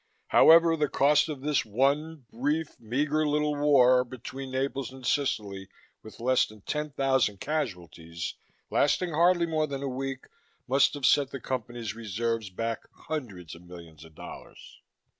However, the cost of this one brief, meager little war between Naples and Sicily, with less than ten thousand casualties, lasting hardly more than a week, must have set the Company's reserves back hundreds of millions of dollars.